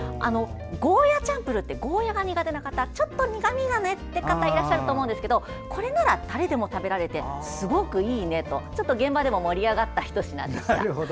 ゴーヤチャンプルーってゴーヤが苦手な方ちょっと苦みがねっていう方いらっしゃると思うんですがこれなら誰でも食べられてすごくいいねとちょっと現場でも盛り上がったひと品でした。